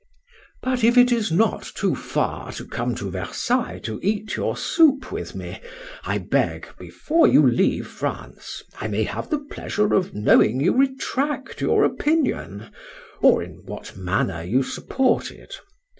But if it is not too far to come to Versailles to eat your soup with me, I beg, before you leave France, I may have the pleasure of knowing you retract your opinion,—or, in what manner you support it.